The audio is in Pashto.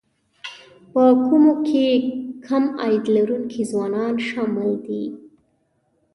په کومو کې کم عاید لرونکي ځوانان شامل دي